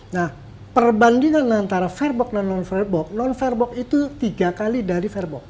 nah perbandingan antara fairbox dan non fairbox non fairbox itu tiga kali dari fairbox